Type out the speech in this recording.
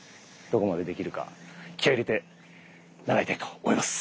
どこまでできるか気合い入れて習いたいと思います。